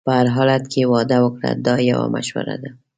په هر حالت کې واده وکړه دا یو مشوره ده.